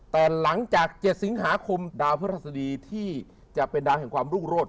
แต่หลังจาก๗สิงหาคมดาวพระราชดีที่จะเป็นดาวแห่งความรุ่งโรธ